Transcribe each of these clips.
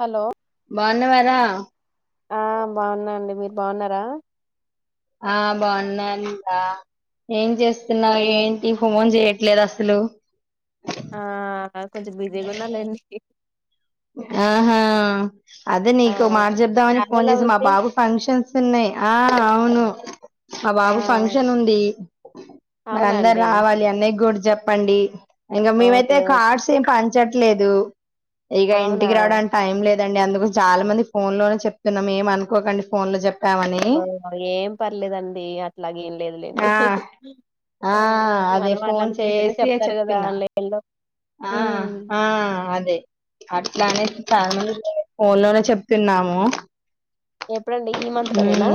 Hello బాగున్నవారా. ఆ బాగున్నా అండి మీరు బాగున్నారా ఆ బాగున్నాంట ఏం చేస్త నా ఏం ఏంటి మంజ ఇట్ లేదు అసలు ఆ కొంచెం బిజీగా ఉన్నాలండి ఆహా అదే ఆ నీకు మాట చెబదామని చాలా ఫోన్ రోజులు చేసి మా అవుంది బాబు ఫంక్షన్స్ ఉన్నాయి ఆ అవును ఆ బాబు ఫంక్షన్ ఉంది మరి అందరు అవునండి రావాలి అన్నయ్య కూడా చెప్పండి ఇంకా ఓకే మేమైతే ఓకే కార్డ్స్ ఏం ప చెట్లేదు ఇక అవునా ఇంటికి రావడానికి టైం లేదు అండి అందుకు చాలా మందికి ఫోన్ లోనే చెప్తున్నాం ఏం అనుకోకండి ఫోన్ లో చెప్తే ఓ ఏం పర్లేదండి అట్లాగ ఏం లేదులేండి ఆ ఆ మన అదే వాళ్ళు ఫోన్ అనుకుంటేనే చేసి చెప్తారు కదా చెప్తున్నా ఆన్లైన్ లో ఆ ఉమ్ ఆ అదే ఇలానే ఫ్యామిలీ ఫోన్ లోనే చెప్తున్నాము. ఎప్పుడండి ఈ మంత్ లో నేనా మ్మ్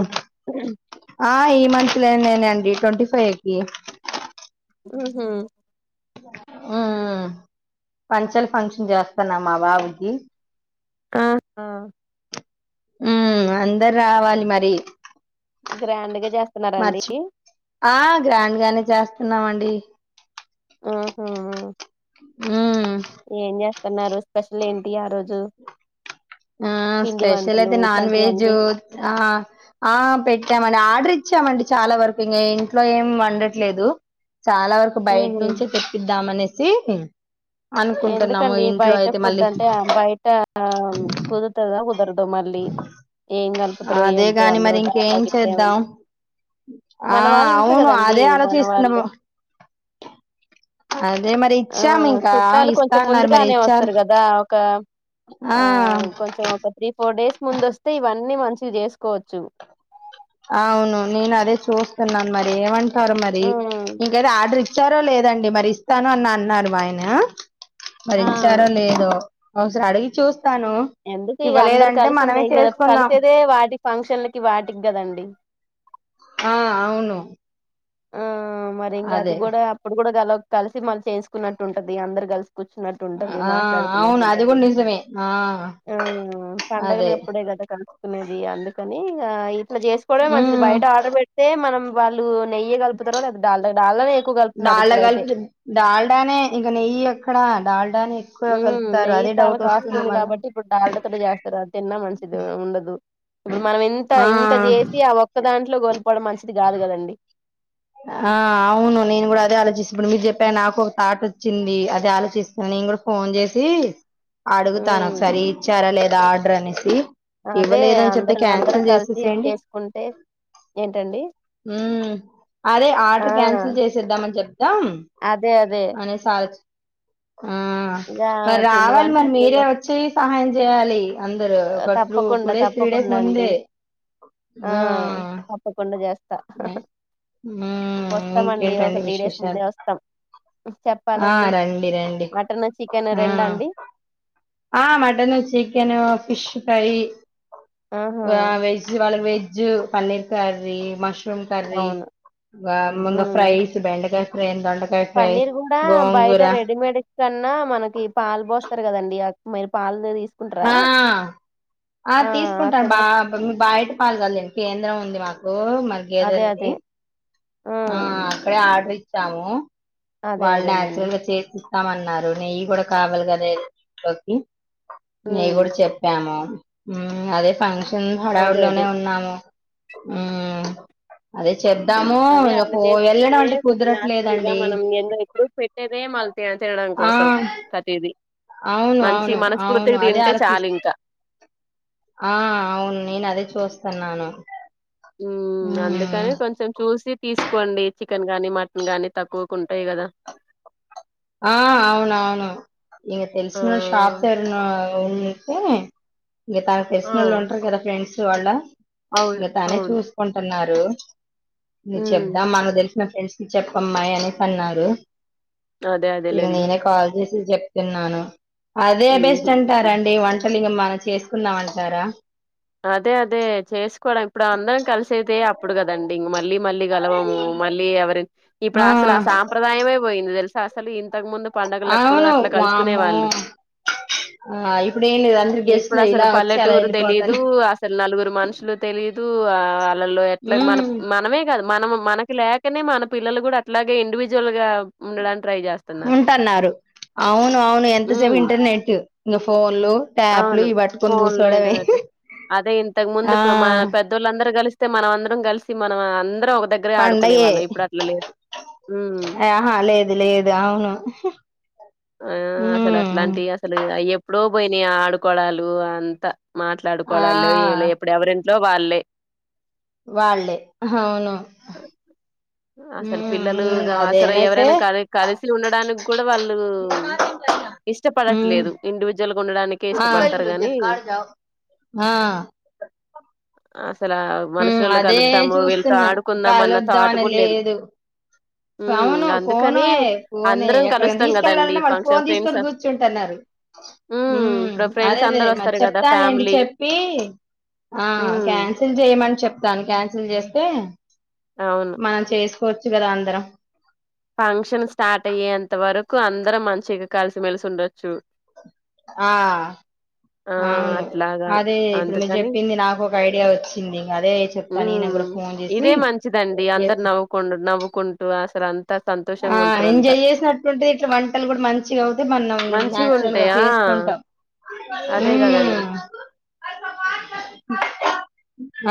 ప్లేన్ నేనే అండి ట్వంటీ ఫైవ్ కి ఊహూ హ్మ్ పంచెల ఫంక్షన్ చేస్తన్నా మా బాబుకి ఆహా హ్మ్ అందరు రావాలి మరి గ్రాండ్ గా చేస్తున్నారండి మర్చి ఆ గ్రాండ్ గానే చేస్ ఉన్నామండి ఆహా ఆ హ్మ్ ఏం చేస్తున్నారు స్పెషల్ ఏంటి ఆ రోజు ఆ పిండి స్పెషల్ వంటలు అయితే నాన్ ఇట్లాంటివి అన్నీ వెజు ఆ ఆ పెట్టామండి ఆర్డరిచ్ ఇచ్చామండి చాలా వరకు ఇంగ ఇంట్లో ఏం వండట్లేదు చాలా వరకు బయట ఉహు నుంచే తెప్పిద్దామనేసి సీ ఎందుకండి బయట ఫుడ్ మళ్ళీ అంటే బయట కుదురుతదో కుదరో మళ్ళీ ఏ అదేగాని మరి ఇంకేం ఏమన్నా చేద్దాం ఆ మన వాళ్ళు ఉంటారు అవును కదండి అదే మన ఆలోచిస్తున్న వాళ్ళు అద్ అదే మరి ఆ ఇచ్చాం ఇంకా చుట్టాలు ఇస్తా కొంచెం అన్నారు మరి ముందుగానే ఇచ్చారు వస్తారు కదా ఒక ఆ కొంచం ఒక త్రీ ఫోర్ డేస్ ముందొస్తే ఇవన్నీ మంచిగ చేసుకోవచ్చు అవును నేను అదే చూస్తన్నాను మరి ఏమం పాలు మరి ఉమ్ ఇంక ఏదో ఆర్డర్ ఇచ్ ఇస్తారో లేదండి మరి ఇస్తాను అని అన్నారు మా ఆయన మరి ఆ ఇచ్చారో లేదో అవు శ్రాడ్ చూస్ ఎందుకు ఇక అందరు కలిసి ఉండే ఇక చేసుకుందాం కలిసేదే వాటి ఫంక్షన్లకి వాటికి కదండి ఆ అవును ఆ మరి ఇంగ అది అదే కూడా అప్పుడు కూడా గలగ్ కలిసి మళ్ళీ చేసుకున్నట్టు ఉంటది అందరు కలిస్ కూర్చున్నట్టుంటది ఆ మాట్లాడుకున్నట్టు అవును అది ఉంటది కూడా నిజమే ఆ ఆ పండగలు అదే అప్పుడే గదా కలుసుకునేది అందుకని అనిగ ఇ ఇట్లా చేసుకోవడమే మంచిది ఉమ్ బయట ఆర్డర్ పెడితే మనం వాళ్ళు నై డాల గల్ ఇప్పుడైతే కల్పుతున్ డాల్డానే ఇంక నెయ్యి ఎక్కడ దాల్ ఉమ్ నెయ్యి చాలా కాస్ట్ ఉంది మళ్ళా కాబట్టి ఇప్పుడు డాల్డా తొటే చేస్తారు. అది తిన్నా మంచిది ఉండదు. ఇప్పుడు మనం ఎంత ఆ ఇంత చేసి ఆ ఒక్కదాం గొల్ ఇప్పుడం మంచిది గాదు కదండి ఆ అవును నేను కూడా అదే ఆలోచిస్తు మీరు చెప్పా నాకు ఒక థాట్ వచ్చింది. అదే ఆలోచిస్తూనే నేను కూడా ఫోన్ చేసి అడుగుతాను ఉమ్ ఒకసారి ఇచ్చారా లేదా ఆర్డర్ అనేసి అదే ఇవ్వలేదని చెప్పతే అందరం అందరం క్యాన్సిల్ కలిసి చేసేసేండి చేసుకుంటే ఏంటండి ఉమ్ అదే ఆ ఆర్డర్ క్యాన్సిల్ చేసేద్దామని చెప్తాం అదే అదే అనేస అజ్ ఆ ఇగ మరి పిండి రావాలి మరి వంటలన్నీ మీరే మ- వచ్చి సహాయం చెయాలి అందరు ఆ, ఒకట్రూ ఒక టూ తప్పకుండా డేస్ త్రీ డేస్ తప్పకుండా అండి ముందే ఆ తప్పకుండా చేస్తా ఊమ్ వస్తామండి ఒక ఇంకేంటండి త్రీ డేస్ విశేషాలు ముందే వస్తాం ఆ చెప్పాలండి రండి రండి మటన్ చికెన్ రెండా అండి ఆ మటన్ చికెను పిష్ కైయి ఆహా ఆ వెజ్ వెజ్ జ్ paneer curry mushroom curry అవును ఆ మంగ ఉమ్ ఫ్రై బెండకాయ్ ఎంగదు పన్నీర్ కూడా బయట రెడీమేడ్ కన్నా మనకి పాలు పోస్తారు కదండి మీరు పాలదే తీస్ ఆ ఆ తీసుకుంటాను అక్కడ బాబ బయట పాల్గలను కేంద్రం ఉంది మాకు ఓ అదే మధ్యదల్ అదే ఆ అక్కడ ఆడ చాము అదే వాళ్ళు అదేలేండి నాచురల్ గా చెపిచ్ ఇస్తామన్నారు నెయ్యి కూడా కావాలి కదా లోకి నీ ఉమ్ కూడా చెప్పాము మ్ అదే పాన్ అదే అదే హడావుడిలోనే ఉన్నాము ఆ అదే చెప్ధాము అదే అట్లా చేసుకుంటేనే కొంచెం నాచురల్ గా మనం ఎన్న ఇ పెట్టేదే మనం తినడం ఆ కోసం ప్రతిది అవును మంచి అవును మనస్ఫూర్తి అవును అదే తింటే ఆలోచిస్ చాలు ఇంకా ఆ అవును నేను అదే చూస్తున్నాను మ్ మ్మ్ అందుకని కొంచెం చూసి తీసుకోండి చికెన్ గానీ మటన్ గాని తక్కువకు ఉంటాయి కదా ఆ అవును అవును ఇక ఆ తెలుసు షాప్ పేరున ఫోన్ చేస్తే ఇక తనకు ఆ తెలిసినోళ్లు ఉంటారు కదా ఫ్రెండ్స్ సవాళ్ళ అవును ఇక తనే అవును చూసుకుంటున్నారు హలో నువ్ ఉమ్ చెప్దాం మనకు తెలుసు నా ఫ్రెండ్స్ కి చెప్పమ్మాయి అనేసి అన్నారు అదే ఇక అదేలేండి నేనే కాాల్ చేసి చెప్తున్నాను అదే ఉహు. బెస్ట్ అంటారంండి వంటలింగమ్మ చేసుకుందామంటారా అదే అదే చేసుకోవడం ఇప్పుడు అందరం కలిసిదే అప్పుడు కదండి మళ్ళీ మళ్ళీ గలవము మళ్ళీ ఎవరి ఇప్పుడు అసలు ఆ సాంప్రదాయమే పోయింది తెలుస అసలు ఇంతకు ముందు పండగలప్పుడు అవును అట్లా వామ కలుసుకునే వాళ్ళు ఆ ఇప్పుడు ఏం లేదు అందరు ఇప్పుడు గెస్ట్లు అసలు ఇలా వచ్చి అలా పల్లెటూరు వెళ్ళిపోతారు తెలీదు అసలు నలుగురు మనుషులు తెలియదు దూ ఎట్లా మనం ఉమ్, మనమే కాద మనం మనకి లేకనే మన పిల్లలు కూడా అలాగే ఇండివిజువల్ గా ఉండ ఉంటన్నారు అవును అవును ఎంతసేపు ఉమ్ ఇంటర్నెట్ న ఫోన్ అవును ఫోన్లు ఇంటర్నెట్ అదే ఇంతకు ముందు ఆ మన పెద్దోళ్ళ అందరూ కలిస్తే మన అందరం కలిసి మనం అందరం ఒక దగ్గరే ఆడుకునే పండగే వాళ్ళం ఇప్పుడు అట్లా లేదు ఉమ్ ఆహా లేదు లేదు అవును ఆ అసలు ఉమ్ అట్లాంటివి అసలు అయ్యప్పుడు డ పోయినా ఆడుకోడాలు అంత ఆ మాట్లాడుకోవడాలు లేవు ఈళ్ళు ఎప్పుడు ఎవరెన్ ట్లో వాళ్లే వాళ్ళే అవును అసలు పిల్లలు ఉమ్ గవ్ అసలు అదేనైతే ఎవరైనా కలి కలిసి ఉండడాని కూడ వళ్ టూ ఉమ్ ఇష్టపడట్లేదు ఇండివీజువల్ ఆ ఆ ఆ సలా ఉమ్ మనుషులు అదే కలుద్దాము వీళ్ళతో చూస్తున్నా ఆడుకుందాం అన్న థాట్ కూడా లేదు ఉమ్ కవును ఫోను అందుకని ఏ ఫోను ఏ అందరం ఎక్కడన్నా కలుస్తాం తీస్ కదండి కెళ్ళాలంటే వాళ్ళు ఫోన్ ఫంక్షన్ ఫ్రెండ్స్ తీసుకొని కూర్చుంటన్నారు ఊ ఉమ్ ఇప్పుడు ఫ్రెండ్స్ అదేలే అందరు మరి వస్తారు కదా చెప్తానులేండి ఫ్యామిలీ చెప్పి ఆ ఉమ్ కాన్సిల్ చేయమని చెప్తాను కాన్సిల్ చే కే అవును మనం చేస్ కోర్చు కదా అందరం ఫంక్షన్ స్టార్ట్ అయ్యేంత వరకు అందరం అన్ చ్చిగ కలిసిమెలిసి ఉండొచ్చు ఆ ఆ అవును అట్లాగా అదే ఇప్పుడు మీరు అందుకని చెప్పింది నాకు ఒక ఐడియా వచ్చింది అదే చెప్పా నేను కూడా ఉమ్ ఫోన్ చేసి ఇదే ఎ కుంటు అసరన్ ఆ ఎంజాయ్ చేసినట్టుంటిది ఇట్లా వంటలు కూడా మంచిగా అవుతే మనం మంచిగా న్యాచురల్గా ఉంటాయి ఆ చేసుకుంటాం అదే కదండి హ్మ్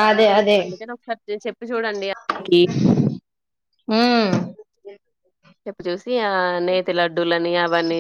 అదే అదే నేన్ చెప్పి చూడండి అతనికి ఉమ్ చెప్ చూస్ ఇగా నేతి లడ్డూలని అవన్నీ